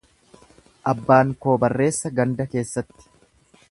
Abbaan koo barreessa ganda keessatti.